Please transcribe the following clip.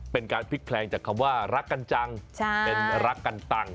เป็นการพลิกแพลงจากคำว่ารักกันจังเป็นรักกันตัง